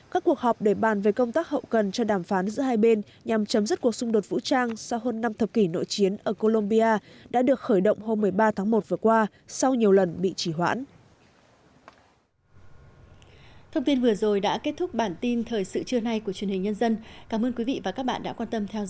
các cuộc họp để bàn về công tác hậu cần cho đàm phán giữa hai bên nhằm chấm dứt cuộc xung đột vũ trang sau hơn năm thập kỷ nội chiến ở colombia đã được khởi động hôm một mươi ba tháng một vừa qua sau nhiều lần bị chỉ hoãn